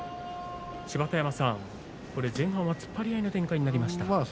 芝田山さん、これ前半は突っ張り合いの展開になりました。